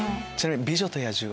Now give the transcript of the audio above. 『美女と野獣』も。